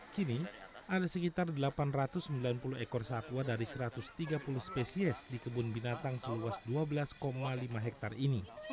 kini ada sekitar delapan ratus sembilan puluh ekor satwa dari satu ratus tiga puluh spesies di kebun binatang seluas dua belas lima hektare ini